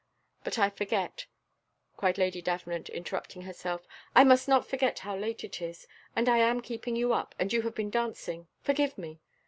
But I forget," cried Lady Davenant, interrupting herself, "I must not forget how late it is: and I am keeping you up, and you have been dancing: forgive me!